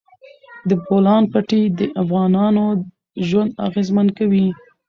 د بولان پټي د افغانانو ژوند اغېزمن کوي.